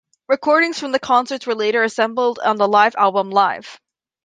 Recordings from the concerts were later assembled on the live album Live!